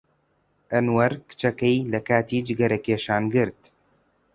ئەنوەر کچەکەی لە کاتی جگەرەکێشان گرت.